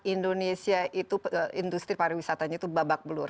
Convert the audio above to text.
indonesia itu industri pariwisatanya itu babak belur